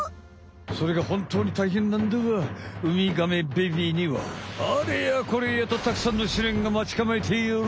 それがほんとうに大変なんだがウミガメベビーにはあれやこれやとたくさんの試練がまちかまえている。